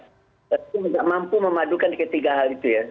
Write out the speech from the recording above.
kita tidak mampu memadukan ketiga hal itu ya